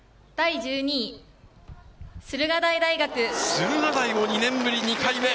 駿河台も２年ぶり２回目。